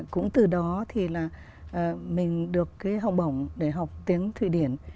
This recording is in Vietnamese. cũng từ đó thì là mình được cái học bổng để học tiếng thụy điển